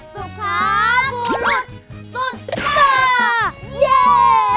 สุพาภูรุษศุษษา